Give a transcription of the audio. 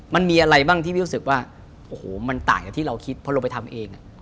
มันมีอะไรบ้างที่พี่รู้สึกว่าโอ้โหมันต่างจากที่เราคิดพอเราไปทำเอง